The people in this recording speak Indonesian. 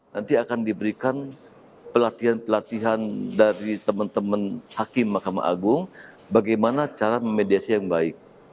nanti akan diberikan pelatihan pelatihan dari teman teman hakim mahkamah agung bagaimana cara memediasi yang baik